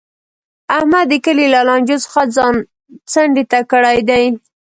احمد د کلي له لانجو څخه ځان څنډې ته کړی دی.